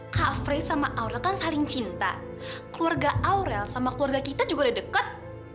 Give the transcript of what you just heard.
kak fre sama aurel kan saling cinta keluarga aurel sama keluarga kita juga udah deket